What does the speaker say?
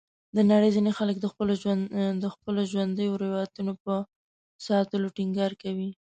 د نړۍ ځینې خلک د خپلو ژوندیو روایتونو په ساتلو ټینګار کوي.